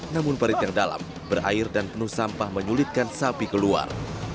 namun perit yang dalam berair dan penuh sampah menyulitkan sapi keluar